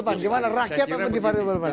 bang surya pak gimana rakyat apa dipakai bagaimana